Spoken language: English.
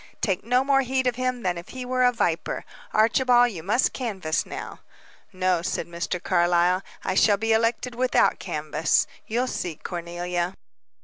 Take no more heed of him than if he were a viper. Archibald, you must canvass now." "No," said Mr. Carlyle, "I shall be elected without canvass. You'll see, Cornelia."